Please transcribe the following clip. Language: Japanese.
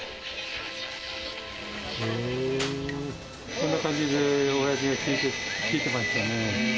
こんな感じで、おやじが聴いてましたね。